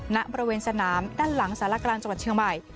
ณบริเวณสนามด้านหลังสารกลางจังหวัดเชียงใหม่